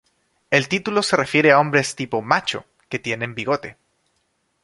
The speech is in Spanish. El título se refiere a hombres tipo "macho" que tienen bigote.